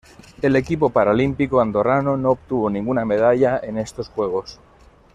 El equipo paralímpico andorrano no obtuvo ninguna medalla en estos Juegos.